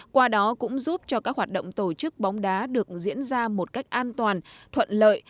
qua đó cũng giúp cho các hoạt động tổ chức bóng đá được diễn ra một cách an toàn thuận lợi